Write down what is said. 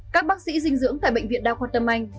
các bác sĩ dinh dưỡng tại bệnh viện đa khoa tâm anh